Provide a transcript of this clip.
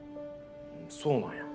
そうなんや。